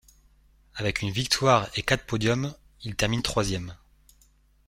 Avec une victoire et quatre podiums, il termine troisième.